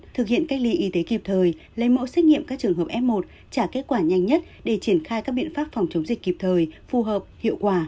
thực hiện cách ly y tế kịp thời lấy mẫu xét nghiệm các trường hợp f một trả kết quả nhanh nhất để triển khai các biện pháp phòng chống dịch kịp thời phù hợp hiệu quả